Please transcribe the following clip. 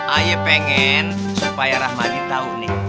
ayo pengen supaya rahmadi tau nih